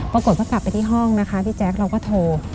ปรากฏว่ากลับไปที่ห้องนะคะพี่แจ๊คเราก็โทร